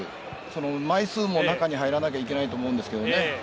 枚数も中に入らないといけないと思うんですが。